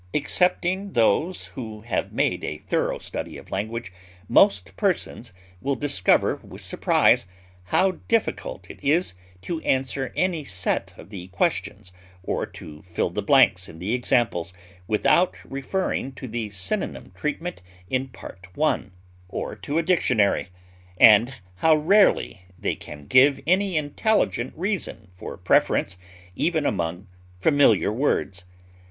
Excepting those who have made a thorough study of language most persons will discover with surprise how difficult it is to answer any set of the Questions or to fill the blanks in the Examples without referring to the synonym treatment in Part I., or to a dictionary, and how rarely they can give any intelligent reason for preference even among familiar words.